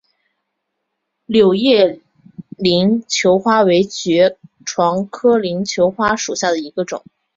柳叶鳞球花为爵床科鳞球花属下的一个种。